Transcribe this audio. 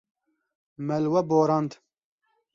Me li we borand.